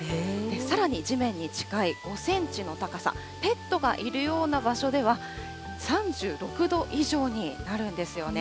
さらに地面に近い５センチの高さ、ペットがいるような場所では、３６度以上になるんですよね。